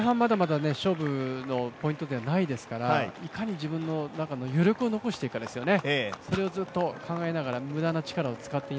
前半まだまだ勝負のポイントではないですからいかに自分の中の余力を残すかですよね。